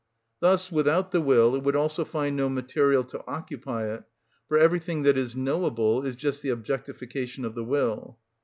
Thus, without the will it would also find no material to occupy it; for everything that is knowable is just the objectification of the will.